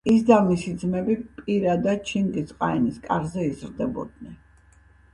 ის და მისი ძმები პირადად ჩინგიზ-ყაენის კარზე იზრდებოდნენ.